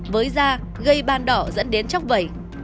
với da gây ban đỏ dẫn đến chóc vẩy